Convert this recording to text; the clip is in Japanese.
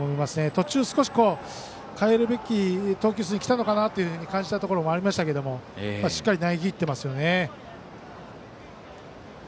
途中少し代えるべき投球数にきたのかなと感じたところもありましたけどもしっかり投げきっていますよね。